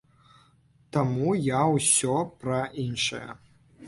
Таму я ўсё пра іншае.